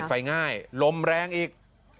ไฟง่ายลมแรงอีก